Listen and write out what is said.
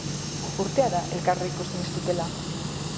Urtea da elkar ikusten ez dutela.